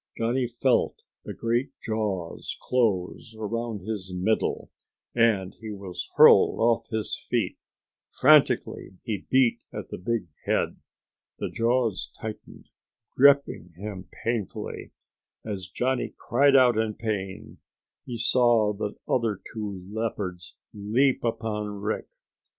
Johnny felt the great jaws close around his middle, and he was hurled off his feet. Frantically he beat at the big head. The jaws tightened, gripping him painfully. As Johnny cried out in pain he saw the other two leopards leap upon Rick.